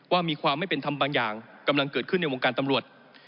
มีความไม่เป็นธรรมบางอย่างกำลังเกิดขึ้นในวงการตำรวจ